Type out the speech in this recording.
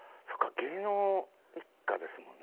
芸能一家ですもんね。